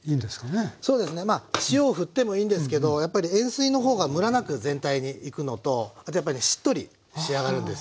そうですねまあ塩をふってもいいんですけどやっぱり塩水の方がむらなく全体にいくのとあとやっぱりねしっとり仕上がるんですよ